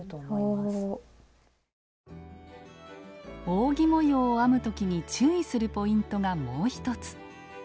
扇模様を編む時に注意するポイントがもう一つ。